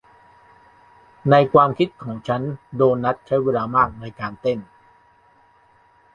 ในความคิดของฉันโดนัทใช้เวลามากในการเต้น